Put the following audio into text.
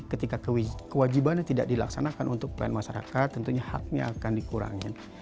ketika kewajiban tidak dilaksanakan untuk pengen masyarakat tentunya haknya akan dikurangkan